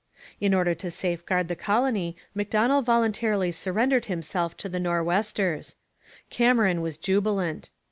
In order to safeguard the colony Macdonell voluntarily surrendered himself to the Nor'westers. Cameron was jubilant.